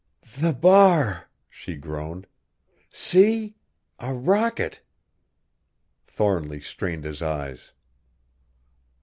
"The bar!" she groaned. "See! a rocket!" Thornly strained his eyes.